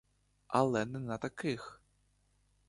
Але не на таких!